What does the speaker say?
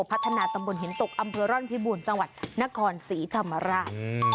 พัฒนาตำบลหินตกอำเภอร่อนพิบูรณ์จังหวัดนครศรีธรรมราช